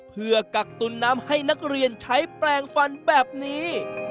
เพื่อกักตุนน้ำให้นักเรียนใช้แปลงฟันแบบนี้